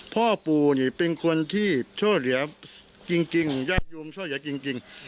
พ่อปู่นี่เป็นคนที่ช่วยเหลือจริงญาติโยมช่วยเหลือจริง